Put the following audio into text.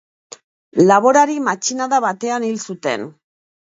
Laborari matxinada batean hil zuten.